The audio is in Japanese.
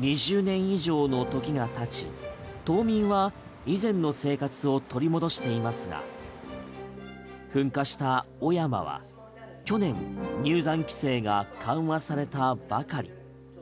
２０年以上のときが経ち島民は以前の生活を取り戻していますが噴火した雄山は去年、入山規制が緩和されたばかり。